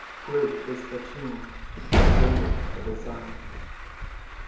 Great is the tomb, but greater the desire.